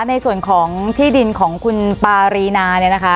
ในส่วนของที่ดินของคุณปารีนาเนี่ยนะคะ